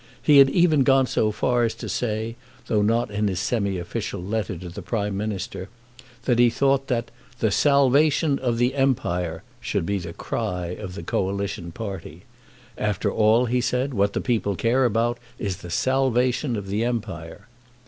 He had even gone so far as to say, though not in his semi official letter to the Prime Minister, that he thought that "The Salvation of the Empire" should be the cry of the Coalition party. "After all," he said, "what the people care about is the Salvation of the Empire!"